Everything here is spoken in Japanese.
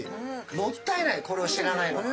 もったいないこれを知らないのは。